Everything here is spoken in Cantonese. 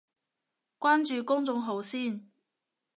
關注公眾號先